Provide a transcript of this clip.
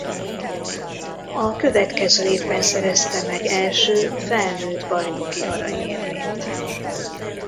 A következő évben szerezte meg első felnőtt bajnoki aranyérmét.